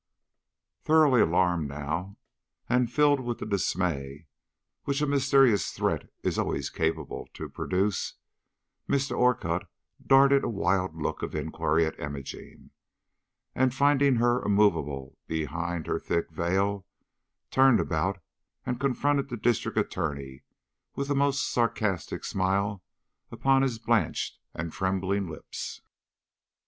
Thoroughly alarmed now and filled with the dismay which a mysterious threat is always calculated to produce, Mr. Orcutt darted a wild look of inquiry at Imogene, and finding her immovable behind her thick veil, turned about and confronted the District Attorney with a most sarcastic smile upon his blanched and trembling lips.